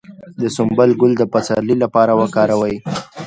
د سنبل ګل د پسرلي لپاره وکاروئ